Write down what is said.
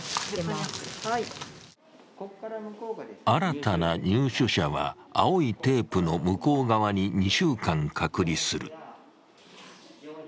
新たな入所者は青いテープの向こう側に２週間隔離する。